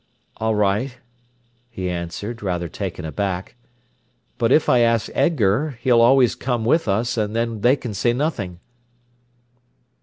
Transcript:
"All right," he answered, rather taken aback. "But if I ask Edgar, he'll always come with us, and then they can say nothing."